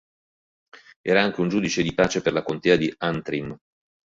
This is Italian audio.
Era anche un giudice di pace per la contea di Antrim.